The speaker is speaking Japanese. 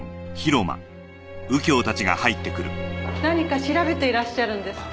何か調べていらっしゃるんですか？